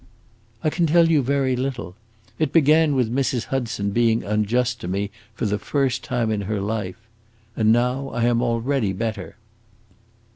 "I can tell you very little. It began with Mrs. Hudson being unjust to me, for the first time in her life. And now I am already better!"